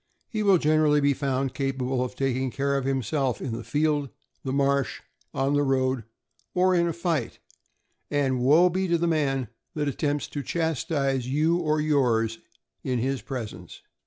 He will generally be found capable of taking care of himself in the field, the marsh, on the road, or in a fight; and woe be to the man that attempts to chas tise you or yours in his presence.